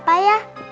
papa gak salah kok